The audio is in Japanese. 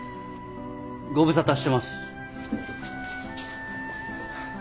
ご無沙汰してます。